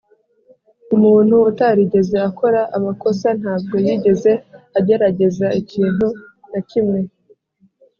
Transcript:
umuntu utarigeze akora amakosa ntabwo yigeze agerageza ikintu na kimwe.